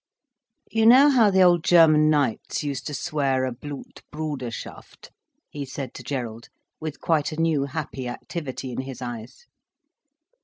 "You know how the old German knights used to swear a Blutbruderschaft," he said to Gerald, with quite a new happy activity in his eyes.